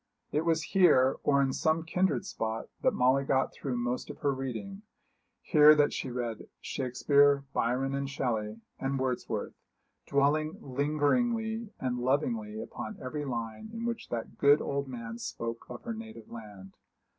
It was here, or in some kindred spot, that Molly got through most of her reading here that she read Shakespeare, Byron, and Shelley, and Wordsworth dwelling lingeringly and lovingly upon every line in which that good old man spoke of her native land.